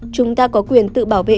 chúng ta có quyền tự bảo vệ